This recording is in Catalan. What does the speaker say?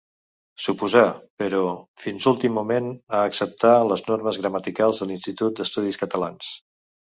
S'oposà, però, fins últim moment a acceptar les normes gramaticals de l'Institut d'Estudis Catalans.